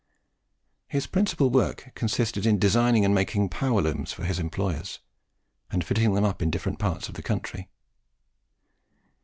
His principal work consisted in designing and making power looms for his employers, and fitting them up in different parts of the country.